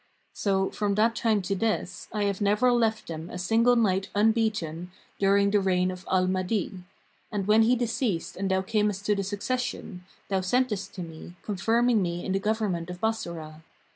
So, from that time to this, I have never left them a single night unbeaten during the reign of Al Mahdi; and when he deceased and thou camest to the succession, thou sentest to me, confirming me in the government of Bassorah.